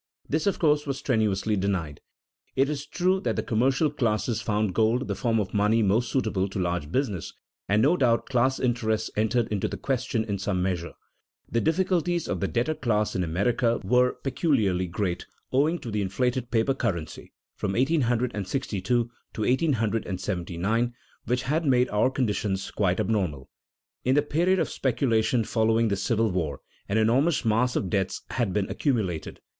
This, of course, was strenuously denied. It is true that the commercial classes found gold the form of money most suitable to large business, and no doubt class interests entered into the question in some measure. The difficulties of the debtor class in America were peculiarly great, owing to the inflated paper currency, from 1862 to 1879, which had made our conditions quite abnormal. In the period of speculation following the Civil War an enormous mass of debts had been accumulated.